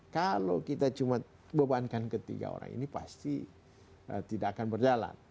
kalau kita cuma bebankan ketiga orang ini pasti tidak akan berjalan